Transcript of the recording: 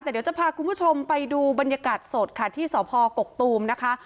แต่เดี๋ยวจะพาคุณผู้ชมไปดูบรรยากาศสดค่ะที่สพกกตูมนะคะ